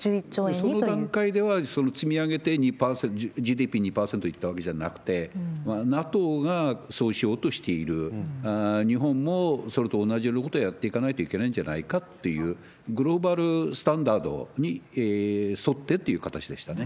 その段階では、積み上げて２％、ＧＤＰ２％いったわけじゃなくて、ＮＡＴＯがそうしようとしている、日本もそれと同じようなことをやっていかないといけないんじゃないかっていう、グローバルスタンダードに沿ってって形でしたね。